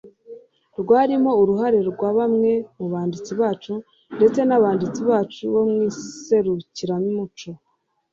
rwarimo uruhare rwa bamwe mu banditsi bacu ndetse n'abanditsi bacu mu iserukiramuco